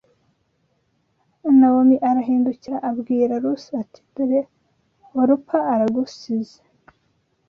Nawomi arahindukira abwira Rusi ati ‘dore Orupa aragusize